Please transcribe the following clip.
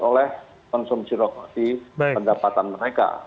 oleh konsumsi rokok di pendapatan mereka